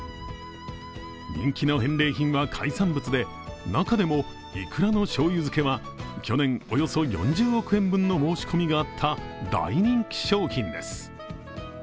人気の返礼品は海産物で中でもいくらのしょうゆ漬けは去年およそ４０億円分の申し込みがあった大人気商品です。